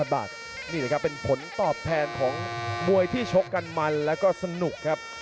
บาทนี่แหละครับเป็นผลตอบแทนของมวยที่ชกกันมันแล้วก็สนุกครับ